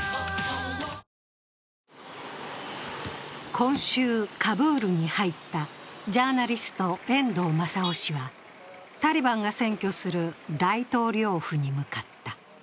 今週、カブールに入ったジャーナリスト、遠藤正雄氏はタリバンが占拠する大統領府に向かった。